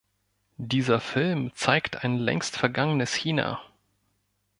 Dieser Film zeigt ein längst vergangenes China.